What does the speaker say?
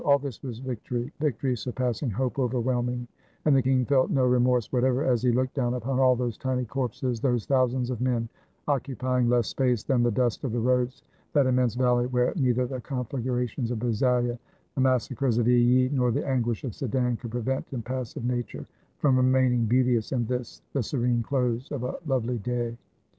And all this was victory — victory surpassing hope, overwhelming; and the king felt no re morse whatever as he looked down upon all those tiny corpses, those thousands of men occupying less space than the dust of the roads, that immense valley where neither the conflagrations of Bazeilles, the massacres of Illy nor the anguish of Sedan could prevent impassive nature from remaining beauteous in this the serene close of a lovely day.